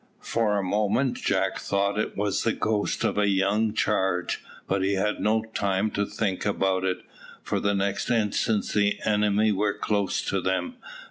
For a moment Jack thought it was the ghost of his young charge; but he had no time to think about it, for the next instant the enemy were close to them.